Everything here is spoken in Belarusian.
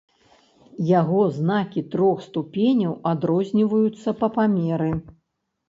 Яго знакі трох ступеняў адрозніваюцца па памеры.